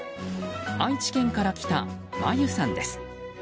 愛知県から来た、まゆさんです。